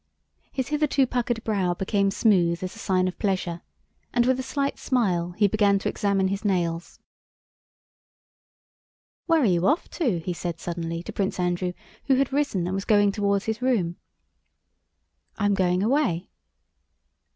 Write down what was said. His hitherto puckered brow became smooth as a sign of pleasure, and with a slight smile he began to examine his nails. "Where are you off to?" he said suddenly to Prince Andrew who had risen and was going toward his room. "I am going away."